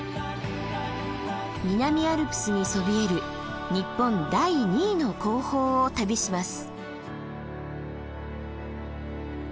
南アルプスにそびえる日本第２位の高峰を旅します。